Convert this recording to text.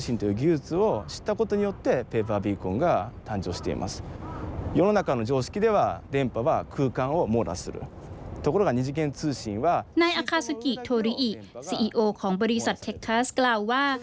นายอาคาซูกิโทริอิซีอีโอของบริษัทเทคคลัสกล่าวว่า